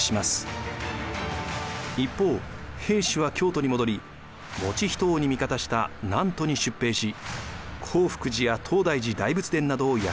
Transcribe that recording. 一方平氏は京都に戻り以仁王に味方した南都に出兵し興福寺や東大寺大仏殿などを焼き払うのです。